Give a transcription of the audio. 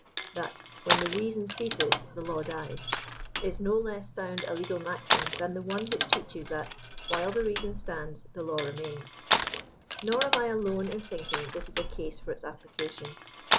That " when the reason ceases, the law dies," is no less sound a legal maxim than the one which teaches that while the reason stands the law remains." Nor am I alone in thinking this a case for its application.